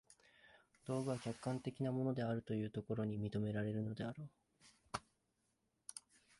道具は客観的なものであるというところに認められるであろう。